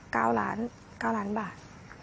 เก้าหลานเก้าหลานบาท